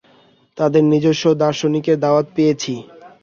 তাদের নিজস্ব দার্শনিকের দাওয়াত পেয়েছি।